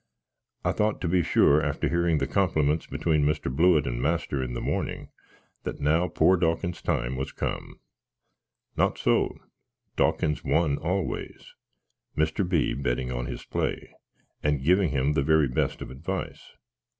I thought, to be sure, after hearing the complyments between Blewitt and master in the morning, that now pore Dawkins's time was come. Not so: Dawkins won always, Mr. B. betting on his play, and giving him the very best of advice.